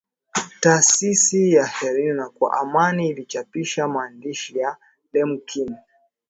taasisi ya carnegie kwa amani ilichapisha maandishi ya Lemkin